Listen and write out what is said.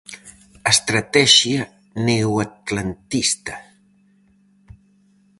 A estratexia "neoatlantista".